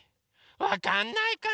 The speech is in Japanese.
わかんないかな